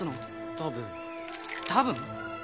多分多分！？